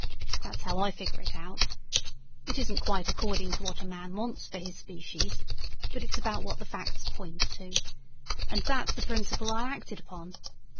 That's how I figure it out. It isn't quite according to what a man wants for his species, but it's about what the facts point to. And that's the principle I acted upon.